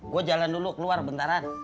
gue jalan dulu keluar bentaran